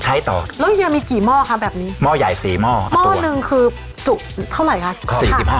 จุเท่าไหร่คะ